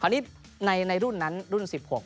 อันนี้ในรุ่นนั้นรุ่น๑๖